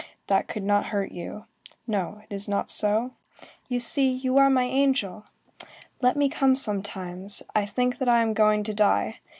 That could not hurt you. No, it is not so? You see, you are my angel! Let me come sometimes; I think that I am going to die.